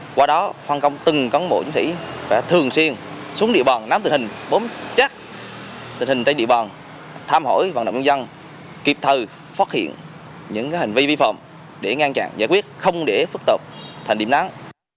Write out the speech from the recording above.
qua đó phong công từng cấn mộ chính sĩ phải thường xuyên xuống địa bàn nắm tình hình bốm chắc tình hình trên địa bàn tham hỏi và nộp nhân dân kịp thời phát hiện những hành vi vi phạm để ngăn chặn giải quyết không để phức tộc thành điểm nắng